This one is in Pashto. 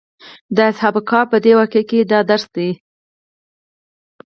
د اصحاب کهف په دې واقعه کې دا درس دی.